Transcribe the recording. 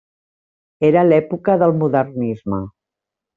Era l’època del Modernisme.